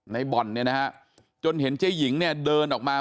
บ่อนเนี่ยนะฮะจนเห็นเจ๊หญิงเนี่ยเดินออกมา